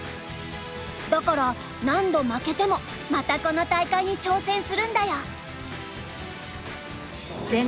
だから何度負けてもまたこの大会に挑戦するんだよ。